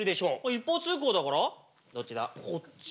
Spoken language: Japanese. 一方通行だからこっち？